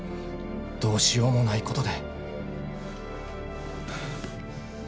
どうしようもないことで。